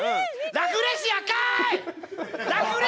ラフレシアかい！